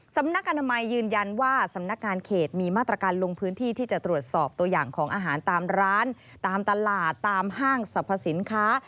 สำนักอนามัยยืนยันว่าสำนักงานเขตมีมาตรการลงพื้นที่ที่จะตรวจสอบตัวอย่างของอาหารตามร้านตามตลาดตามห้างสรรพสินค้า